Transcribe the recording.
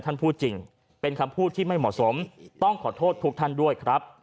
ท่านพูดจริงเป็นคำพูดที่ไม่เหมาะสมต้องขอโทษทุกท่านด้วยครับ